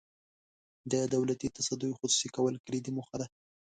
د دولتي تصدیو خصوصي کول کلیدي موخه ده.